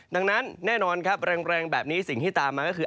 ดังนั้นแน่นอนครับแรงแบบนี้สิ่งที่ตามมาก็คือ